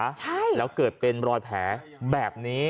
ใช่แล้วเกิดเป็นรอยแผลแบบนี้